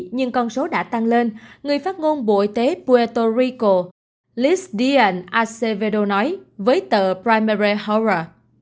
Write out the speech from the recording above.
nhưng con số đã tăng lên người phát ngôn bộ y tế puerto rico liz dian acevedo nói với tờ primera hora